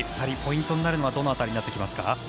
２人、ポイントになるのはどの辺りになってきますか？